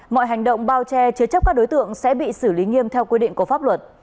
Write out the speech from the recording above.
mọi hành động bao che chứa chấp các đối tượng sẽ bị xử lý nghiêm theo quy định của pháp luật